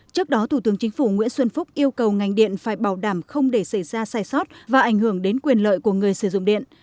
trước đó thủ tướng chính phủ nguyễn xuân phúc yêu cầu ngành điện phải bảo đảm không để xảy ra sai sót và ảnh hưởng đến quyền lợi của người sử dụng điện